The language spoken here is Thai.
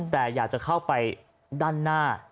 แต่อยากจะเข้าไปด้านหน้า